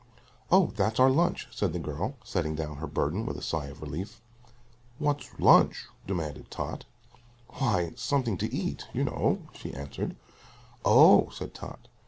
"Oh, that's our lunch," said the girl, setting down her burden with a sigh of relief. "What's lunch?" demanded Tot. "Why something to eat, you know," she answered. "Oh," said Tot.